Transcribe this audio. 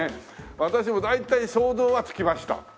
私も大体想像はつきました。